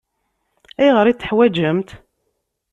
Ayɣer i t-teḥwaǧemt?